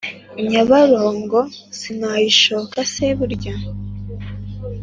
Nyabarongo sinayishoka se burya